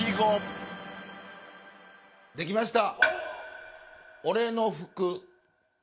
できました。